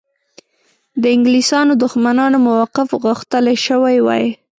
د انګلیسیانو دښمنانو موقف غښتلی شوی وای.